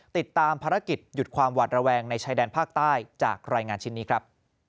ติดตามภารกิจหยุดความหวาดระแวงในชายแดนภาคใต้จากรายงานชิ้นนี้ครับ